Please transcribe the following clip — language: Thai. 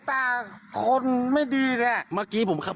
ถามมาอะไรครับ